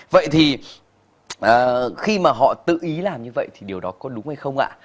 vậy thì khi mà họ tự ý làm như vậy thì điều đó có đúng hay không ạ